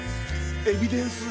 エビデンス！